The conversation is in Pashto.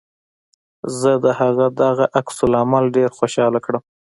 زه د هغه دغه عکس العمل ډېر خوشحاله کړم